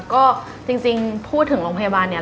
ก็จริงพูดถึงโรงพยาบาลเนี่ย